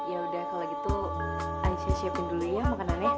yaudah kalau gitu aisyah siapin dulu ya makanannya